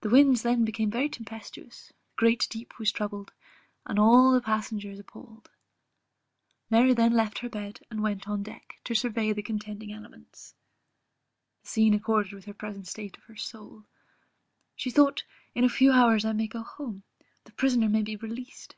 The winds then became very tempestuous, the Great Deep was troubled, and all the passengers appalled. Mary then left her bed, and went on deck, to survey the contending elements: the scene accorded with the present state of her soul; she thought in a few hours I may go home; the prisoner may be released.